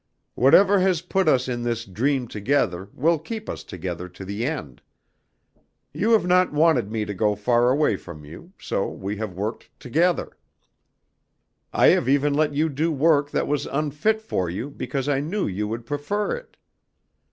"Whatever has put us in this dream together will keep us together to the end. You have not wanted me to go far away from you, so we have worked together; I have even let you do work that was unfit for you because I knew you would prefer it.